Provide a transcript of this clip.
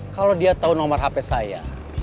kalau dia tahu nomor hp saya